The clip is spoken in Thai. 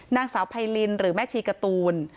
นางสาวไพรินหรือแม่ชีการ์ตูน